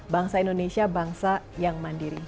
bangsa indonesia bangsa yang mandiri